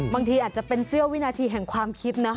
บางทีอาจจะเป็นเสื้อวินาทีแห่งความคิดนะ